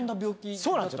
そうなんですよ。